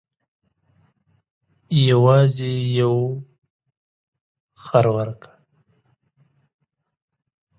یوازې یو خر ورکړ.